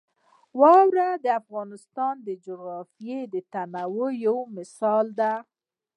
واوره د افغانستان د جغرافیوي تنوع یو مثال دی.